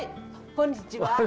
こんにちは。